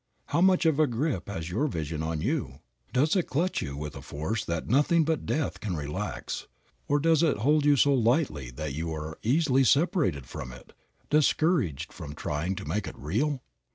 How much of a grip has your vision on you? Does it clutch you with a force that nothing but death can relax, or does it hold you so lightly that you are easily separated from it, discouraged from trying to make it real?